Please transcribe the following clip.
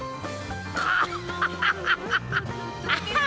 ハハハハ！